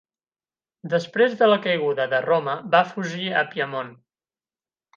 Després de la caiguda de Roma va fugir a Piemont.